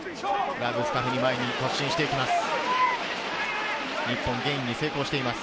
ラブスカフニが前に突進していきます。